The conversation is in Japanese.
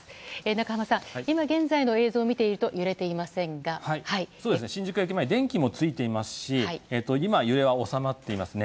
中濱さん、今現在の映像を見ていると新宿駅前は電気もついていますし今、揺れは収まっていますね。